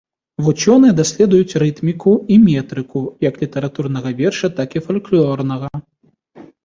Вучоныя даследуюць рытміку і метрыку як літаратурнага верша, так і фальклорнага.